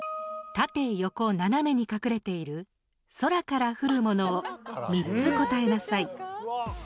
タテヨコ斜めに隠れている空から降るものを３つ答えなさい。